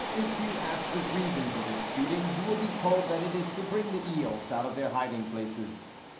If you ask the reason for this shooting, you will be told that it is to bring the eels out of their hiding places.